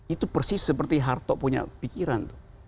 itu persis seperti harto punya pikiran